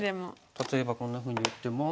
例えばこんなふうに打っても。